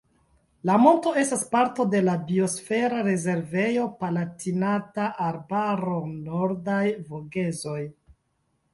La monto estas parto de la Biosfera rezervejo Palatinata Arbaro-Nordaj Vogezoj.